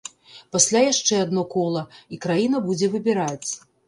Пасля яшчэ адно кола, і краіна будзе выбіраць.